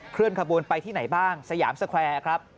เคลื่อนขบวนไปที่ไหนบ้างสยามสแควร์ครับ